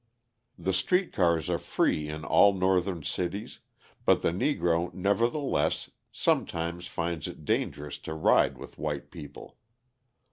The street cars are free in all Northern cities, but the Negro nevertheless sometimes finds it dangerous to ride with white people.